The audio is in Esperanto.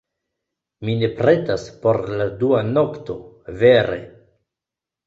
Mi ne pretas por la dua nokto, vere.